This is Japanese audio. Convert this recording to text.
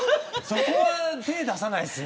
そこは手出さないです。